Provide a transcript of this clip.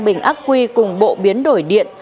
bình ác quy cùng bộ biến đổi điện